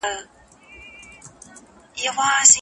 خپل نظر ولرئ.